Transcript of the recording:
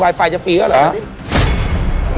ไฟจะฟรีแล้วเหรอ